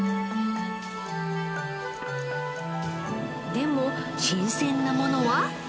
でも新鮮なものは。